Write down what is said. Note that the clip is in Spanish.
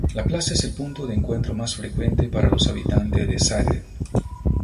La plaza es el punto de encuentro más frecuente para los habitantes de Zagreb.